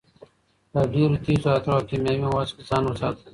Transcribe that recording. له ډېرو تېزو عطرو او کیمیاوي موادو څخه ځان وساتئ.